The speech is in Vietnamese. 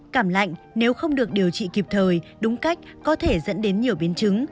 cảm lạnh nếu không được điều trị kịp thời đúng cách có thể dẫn đến nhiều biến chứng